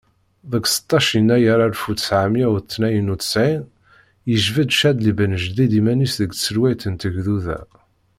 Deg seṭṭac Yennayer alef u ttɛemya u tniyen u ttɛin, yejbed Cadli Ben Jdid iman-is deg tselwayt n tegduda.